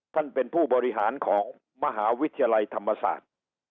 ท่านเป็นผู้บริหารของมหาวิทยาลัยธรรมศาสตร์